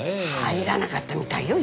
入らなかったみたいよ